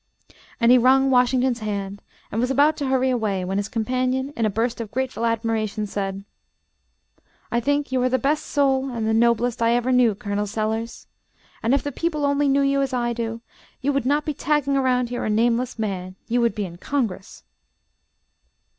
And he wrung Washington's hand and was about to hurry away when his companion, in a burst of grateful admiration said: "I think you are the best soul and the noblest I ever knew, Colonel Sellers! and if the people only knew you as I do, you would not be tagging around here a nameless man you would be in Congress."